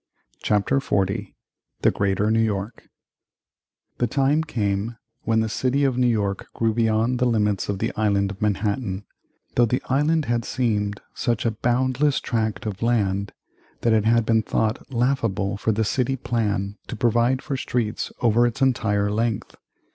CHAPTER XL THE GREATER NEW YORK The time came when the city of New York grew beyond the limits of the Island of Manhattan, though the island had seemed such a boundless tract of land, that it had been thought laughable for the City Plan to provide for streets over its entire length.